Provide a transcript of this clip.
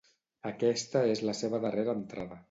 Aquesta és la seva darrera entrada.